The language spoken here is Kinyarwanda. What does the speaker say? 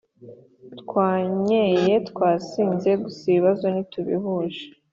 twanyeye twasinze gusa ibibazo ntitubihuje